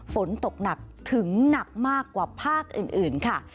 ฝนตกหนักถึงหนักมากกว่าภาคอื่นค่ะ